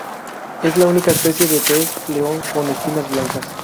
Es la única especie de pez león con espinas blancas.